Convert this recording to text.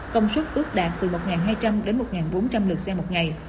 công suất ước đạt từ một hai trăm linh đến một bốn trăm linh lượt xe một ngày